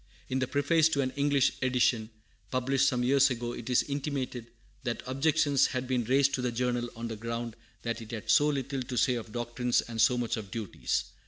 In the preface to an English edition, published some years ago, it is intimated that objections had been raised to the Journal on the ground that it had so little to say of doctrines and so much of duties.